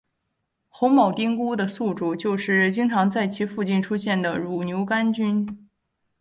红铆钉菇的宿主就是经常在其附近出现的乳牛肝菌。